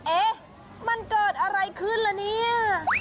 เอ๊ะมันเกิดอะไรขึ้นละเนี่ย